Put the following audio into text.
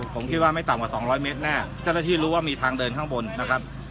ผมคิดว่าไม่ต่ำกว่าสองร้อยเมตรแน่เจ้าหน้าที่รู้ว่ามีทางเดินข้างบนนะครับ